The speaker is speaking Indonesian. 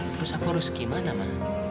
terus aku harus gimana mah